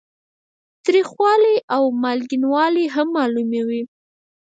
تریخوالی او مالګینوالی هم معلوموي.